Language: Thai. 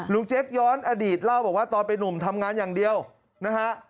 เจ๊กย้อนอดีตเล่าบอกว่าตอนเป็นนุ่มทำงานอย่างเดียวนะฮะ